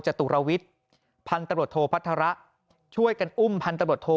จตุรวิทย์พันธุ์ตำรวจโทพัฒระช่วยกันอุ้มพันตำรวจโท